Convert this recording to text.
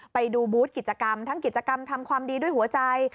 ไปดูบูธกิจกรรมทั้งกิจกรรมทำความดีด้วยหัวใจ